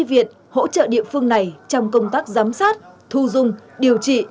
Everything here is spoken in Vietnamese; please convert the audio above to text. khi việt hỗ trợ địa phương này trong công tác giám sát thu dung điều trị